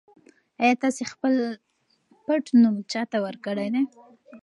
ایا تاسي خپل پټنوم چا ته ورکړی دی؟